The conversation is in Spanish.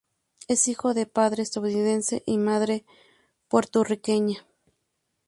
Es hijo de padre estadounidense y madre puertorriqueña.